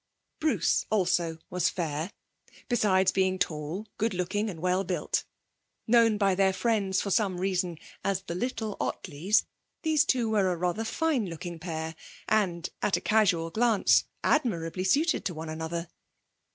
Bruce also was fair, besides being tall, good looking and well built. Known by their friends for some reason as the little Ottleys, these two were a rather fine looking pair, and (at a casual glance) admirably suited to one another.